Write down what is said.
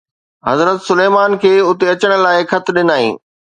حضرت سليمان کي اتي اچڻ لاءِ خط ڏنائين.